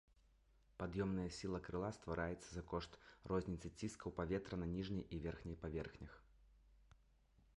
Пад'ёмная сіла крыла ствараецца за кошт розніцы ціскаў паветра на ніжняй і верхняй паверхнях.